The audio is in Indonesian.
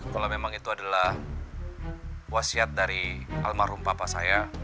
kalau memang itu adalah wasiat dari almarhum bapak saya